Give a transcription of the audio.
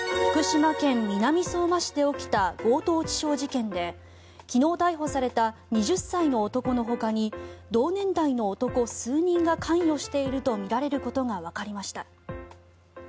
福島県南相馬市で起きた強盗致傷事件で昨日逮捕された２０歳の男のほかに同年代の男数人が関与しているとみられることがわかりました。